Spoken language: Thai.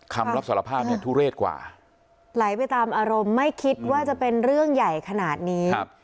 คำรับสารภาพเนี่ยทุเรศกว่าไหลไปตามอารมณ์ไม่คิดว่าจะเป็นเรื่องใหญ่ขนาดนี้